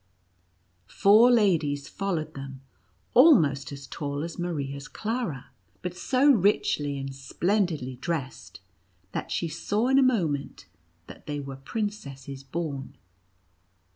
Four ladies followed them, almost as tall as Maria's Clara, NUTCEACKEE AND MOUSE KING. 125 but so richly and splendidly dressed, that she saw in a moment that they were princesses born.